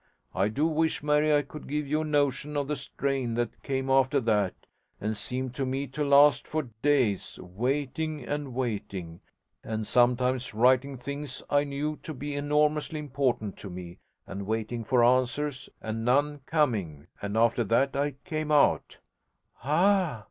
I do wish, Mary, I could give you a notion of the strain that came after that, and seemed to me to last for days: waiting and waiting, and sometimes writing things I knew to be enormously important to me, and waiting for answers and none coming, and after that I came out ' 'Ah!'